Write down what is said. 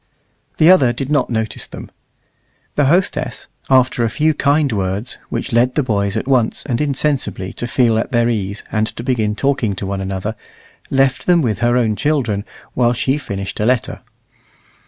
The other did not notice them. The hostess, after a few kind words, which led the boys at once and insensibly to feel at their ease and to begin talking to one another, left them with her own children while she finished a letter.